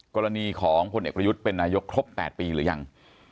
กรณีของพลเอกประยุทธ์เป็นนายกครบ๘ปีหรือยัง